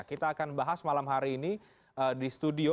kita akan bahas malam hari ini di studio